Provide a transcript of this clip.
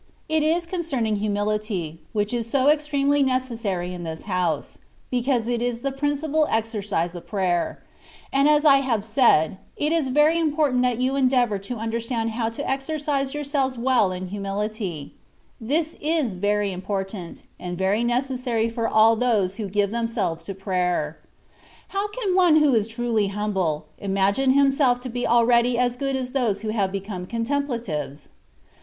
It is concerning humility, which is so extremely necessary in this house, because it is the principal exercise of prayer; and as I have said, it is very important that you endeavour to understand how to exercise yourselves well in humility : this is very important, and very neces sary for all those who give themselves to prayer. How can one who is truly humble, imagine him self to be already as good as those who have become " contemplatives